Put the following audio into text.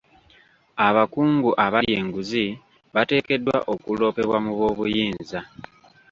Abakungu abalya enguzi bateekeddwa okuloopebwa mu b'obuyinza.